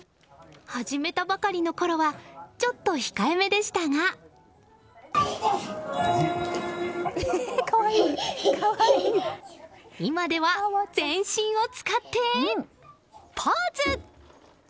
始めたばかりのころはちょっと控えめでしたが今では全身を使ってポーズ！